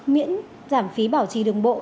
miễn giảm phí bảo trì đường bộ